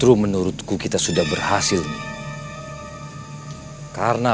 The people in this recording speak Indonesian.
jangan lupa untuk beri dukungan di kolom komentar